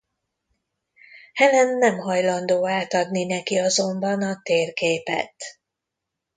Helen nem hajlandó átadni neki azonban a térképet.